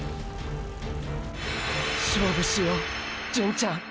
勝負しよう純ちゃん！！